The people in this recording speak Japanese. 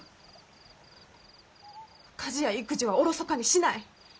家事や育児はおろそかにしない。